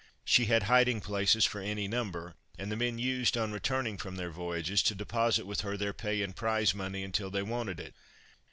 She had hiding places for any number, and the men used, on returning from their voyages, to deposit with her their pay and prize money, until they wanted it.